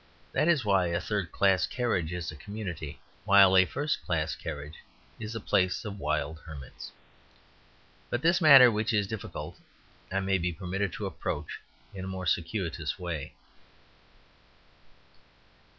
That is why a third class carriage is a community, while a first class carriage is a place of wild hermits. But this matter, which is difficult, I may be permitted to approach in a more circuitous way.